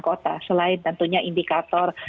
kota selain tentunya indikator